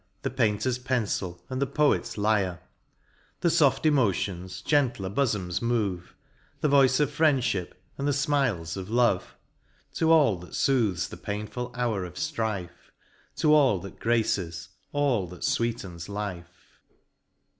The Painter's pencil, and the Poet's lyre ; The lo MOUNT PLEASANT. The foft emotions gentler bofoms move, The voice of FriendlLip, and the fmiles of Love ; To all that fooths the painful hour of ftrife ; To all that graces, all that fvveetens life.